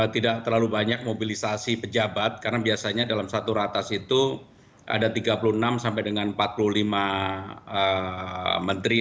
tidak terlalu banyak mobilisasi pejabat karena biasanya dalam satu ratas itu ada tiga puluh enam sampai dengan empat puluh lima menteri